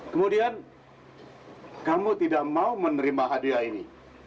kemudian kamu tidak mau menerima hadiah ini